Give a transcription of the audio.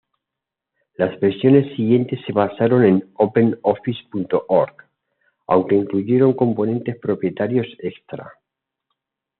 Las versiones siguientes se basaron en OpenOffice.org, aunque incluyeron componentes propietarios extra.